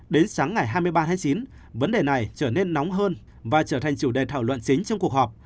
đến sáng ngày hai mươi ba tháng chín vấn đề này trở nên nóng hơn và trở thành chủ đề thảo luận chính trong cuộc họp